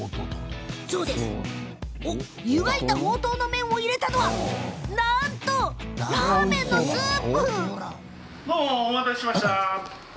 湯がいた、ほうとうの麺を入れたのはなんと、ラーメンのスープ。